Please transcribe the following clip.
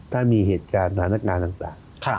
ถ้ามีเหตุการณ์สถานการณ์ต่าง